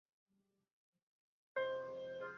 ওকে, নাক গলাব না।